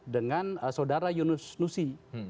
dengan saudara yunus nusi